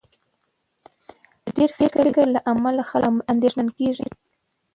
د ډېر فکر له کبله خلک اندېښمن کېږي.